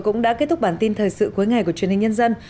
cũng đã kết thúc bản tin thời sự cuối ngày của truyền hình nhân dân